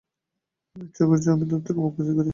ইচ্ছে করছি আমি তার থেকে আবৃত্তি করি।